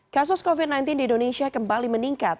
kasus covid sembilan belas di indonesia kembali meningkat